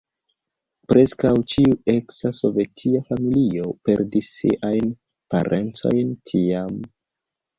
Preskaŭ ĉiu eksa sovetia familio perdis siajn parencojn tiam.